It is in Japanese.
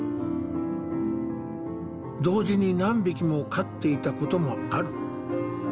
同時に何匹も飼っていたこともある。